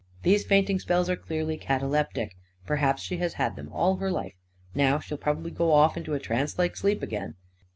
These fainting spells are clearly cataleptic. Perhaps she has had them all her life. Now she'll probably go off into a trance like sleep again."